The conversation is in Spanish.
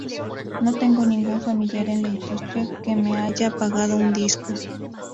No tengo ningún familiar en la industria que me haya pagado un disco.